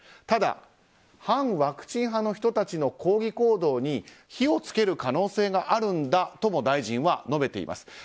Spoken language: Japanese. ただ、反ワクチン派の人たちの抗議行動に火を付ける可能性があるんだとも大臣は述べています。